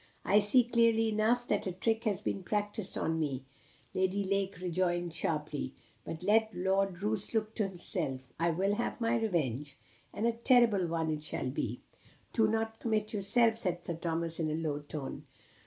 "I see clearly enough that a trick has been practised upon me," Lady Lake rejoined sharply. "But let Lord Roos look to himself. I will have my revenge, and a terrible one it shall be." "Do not commit yourself," said Sir Thomas in a low tone.